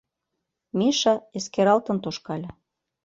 Миша эскералтын тошкале.